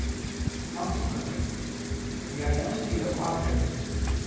Consequently the identity of object, viz.